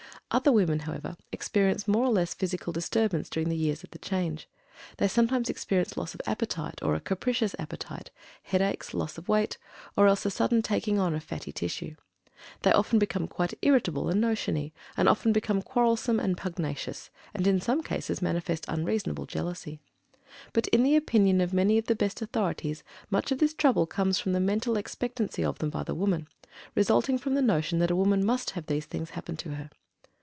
Other women, however, experience more or less physical disturbance during the years of the "change." They sometimes experience loss of appetite, or a capricious appetite, headaches, loss of weight, or else a sudden taking on of fatty tissue. They often become quite irritable and "notiony," and often become quarrelsome and pugnacious, and in some cases manifest unreasonable jealousy. But, in the opinion of many of the best authorities, much of this trouble comes from the mental expectancy of them by the woman, resulting from the notion that a woman must have these things happen to her.